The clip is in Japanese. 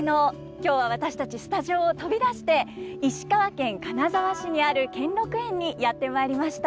今日は私たちスタジオを飛び出して石川県金沢市にある兼六園にやって参りました。